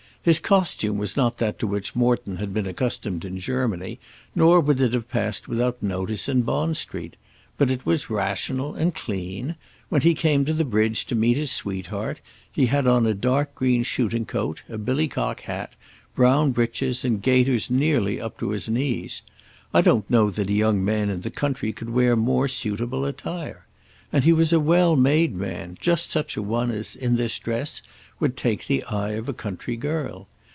His costume was not that to which Morton had been accustomed in Germany, nor would it have passed without notice in Bond Street. But it was rational and clean. When he came to the bridge to meet his sweetheart he had on a dark green shooting coat, a billicock hat, brown breeches, and gaiters nearly up to his knees. I don't know that a young man in the country could wear more suitable attire. And he was a well made man, just such a one as, in this dress, would take the eye of a country girl.